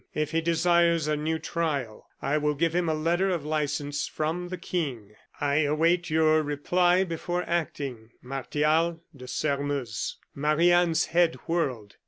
"If he desires a new trial, I will give him a letter of license from the King. "I await your reply before acting. "Martial de Sairmeuse." Marie Anne's head whirled.